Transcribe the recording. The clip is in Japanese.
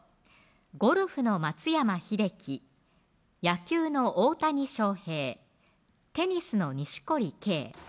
ゴルフの松山英樹野球の大谷翔平テニスの錦織圭